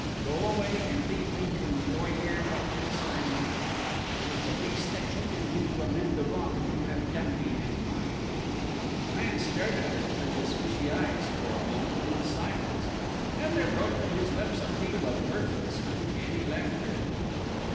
Go away and leave me to enjoy here what peace I may. It is the least that you can do to amend the wrong that you have done me and mine." The man stared at her through his fishy eyes for a moment in silence, then there broke from his lips a peal of mirthless, uncanny laughter.